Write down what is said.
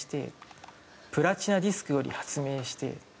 「プラチナディスクより発明して」